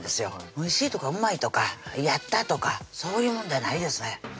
おいしいとかうまいとかやったとかそういうもんじゃないですね